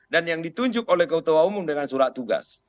dan yang ditunjuk oleh ketua umum dengan surat tugas